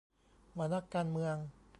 ว่านักการเมือง